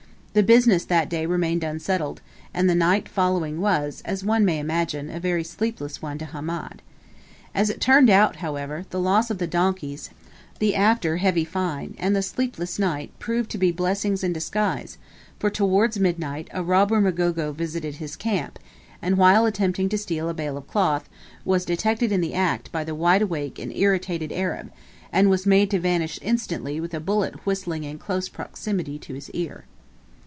The business that day remained unsettled, and the night following was, as one may imagine, a very sleepless one to Hamed. As it turned out, however, the loss of the donkeys, the after heavy fine, and the sleepless night, proved to be blessings in disguise; for, towards midnight, a robber Mgogo visited his camp, and while attempting to steal a bale of cloth, was detected in the act by the wide awake and irritated Arab, and was made to vanish instantly with a bullet whistling in close proximity to his ear.